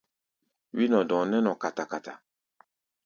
Wí-nɔ-dɔ̧ɔ̧ nɛ́ nɔ kata-kata.